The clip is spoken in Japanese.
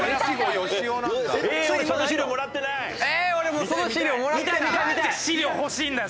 なんで資料欲しいんだよ？